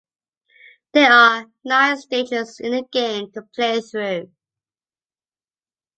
There are nine stages in the game to play through.